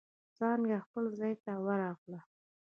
څانگه خپل ځای ته ورغله.